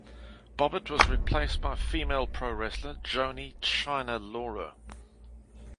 Bobbitt was replaced by female pro wrestler Joanie "Chyna" Laurer.